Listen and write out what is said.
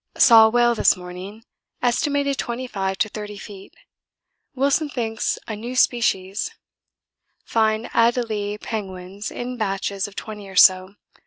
Saw a whale this morning estimated 25 to 30 feet. Wilson thinks a new species. Find Adélie penguins in batches of twenty or so.